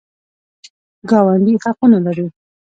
ګاونډي حقونه لري